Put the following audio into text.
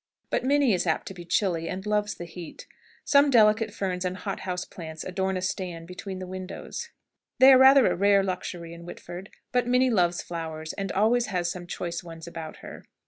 But Minnie is apt to be chilly, and loves the heat. Some delicate ferns and hothouse plants adorn a stand between the windows. They are rather a rare luxury in Whitford; but Minnie loves flowers, and always has some choice ones about her.